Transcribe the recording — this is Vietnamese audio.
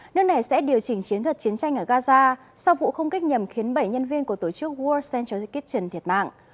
nước này sẽ điều chỉnh chiến thuật chiến tranh ở gaza sau vụ không kích nhằm khiến bảy nhân viên của tổ chức world central kitchen thiệt mạng